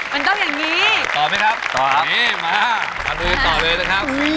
มันต้องอย่างงี้ต่อไหมครับต่อนี่มาต่อเลยนะครับ